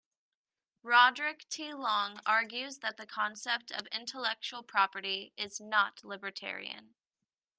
Roderick T. Long argues that the concept of intellectual property is not libertarian.